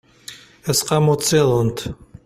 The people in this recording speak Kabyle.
aseqqamu n tsiḍent